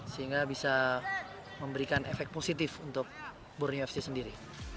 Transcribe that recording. sehingga bisa memberikan efek positif untuk borneo fc sendiri